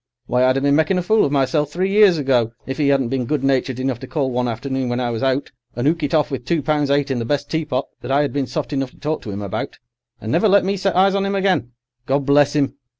Why, I'd a been making a fool of myself three years ago if 'e 'adn't been good natured enough to call one afternoon when I was out, and 'ook it off with two pounds eight in the best teapot that I 'ad been soft enough to talk to 'im about: and never let me set eyes on 'im again. God bless 'im!